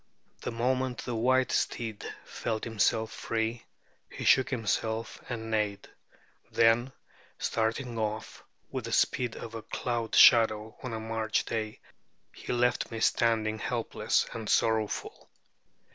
The moment the white steed felt himself free, he shook himself and neighed. Then, starting off with the speed of a cloud shadow on a March day, he left me standing helpless and sorrowful.